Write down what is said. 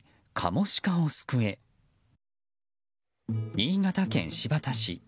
新潟県新発田市。